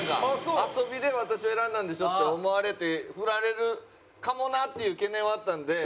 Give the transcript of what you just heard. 遊びで私を選んだんでしょって思われてフラれるかもなっていう懸念はあったんで。